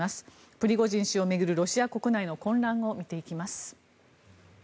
プリゴジン氏を巡るロシア国内の混乱を見ていきます。